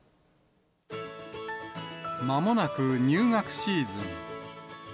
まもなく入学シーズン。